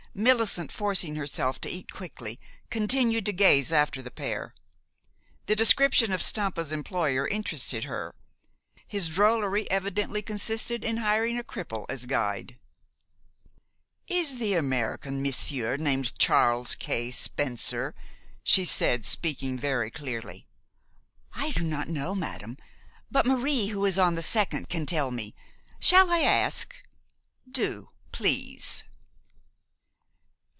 Millicent, forcing herself to eat quickly, continued to gaze after the pair. The description of Stampa's employer interested her. His drollery evidently consisted in hiring a cripple as guide. "Is the American monsieur named Charles K. Spencer?" she said, speaking very clearly. "I do not know, madam. But Marie, who is on the second, can tell me. Shall I ask?" "Do, please."